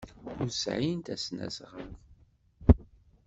Ur sɛint asnasɣal.